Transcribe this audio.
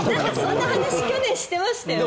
その話去年してましたよね。